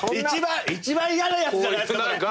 一番嫌なやつじゃないっすか。